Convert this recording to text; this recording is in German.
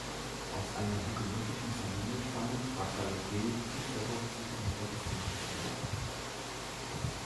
Aus einer hugenottischen Familie stammend war Gallaudet tief verwurzelt im Protestantismus.